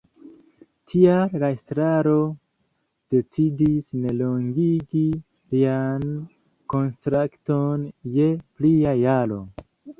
Tial la estraro decidis ne longigi lian kontrakton je plia jaro.